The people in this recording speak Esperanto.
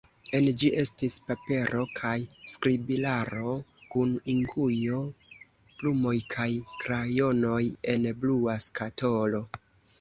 En ĝi estis papero kaj skribilaro kun inkujo, plumoj kaj krajonoj en blua skatolo.